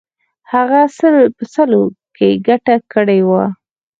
هغه سل په سلو کې ګټه کړې وه.